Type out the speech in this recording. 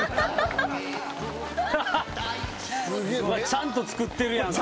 ちゃんと作ってるやん。